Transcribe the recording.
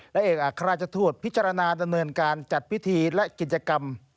และเอกอัครราชทูตพิจารณาดำเนินการจัดพิธีและกิจกรรม